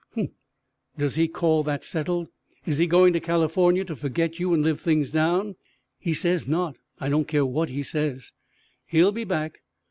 "Huh! Does he call that settled? Is he going to California to forget you and live things down?" "He says not. I don't care what he says." "He'll be back."